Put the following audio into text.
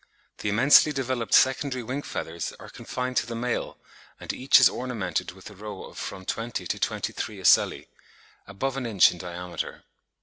The immensely developed secondary wing feathers are confined to the male; and each is ornamented with a row of from twenty to twenty three ocelli, above an inch in diameter.